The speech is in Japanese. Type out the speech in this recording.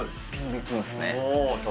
いくんですね。